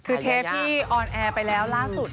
คือเทปที่ออนแอร์ไปแล้วล่าสุด